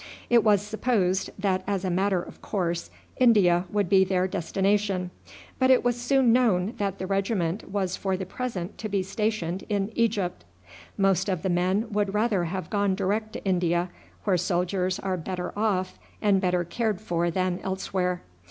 It was supposed that as a matter of course India would be their destination; but it was soon known that the regiment was for the present to be stationed in Egypt. Most of the men would rather have gone direct to India, where soldiers are better off and better cared for than elsewhere.